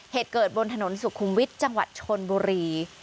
เหตุเกิดบนถนนสุขุมวิทย์จังหวัดชนบุรี